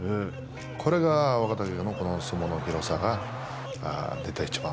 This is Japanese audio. これが若隆景の相撲の広さが出た一番。